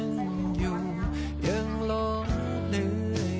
ค้มว่าค้มตอนแรก